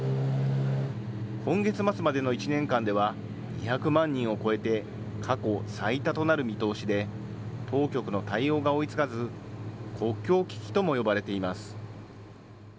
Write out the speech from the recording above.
今月末までの１年間では２００万人を超えて、過去最多となる見通しで、当局の対応が追いつかず、国境危機とも呼ばれています。